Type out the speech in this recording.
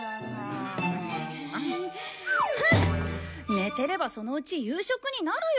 寝てればそのうち夕食になるよ。